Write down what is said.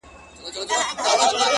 • ده هم وركړل انعامونه د ټگانو,